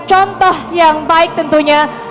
contoh yang baik tentunya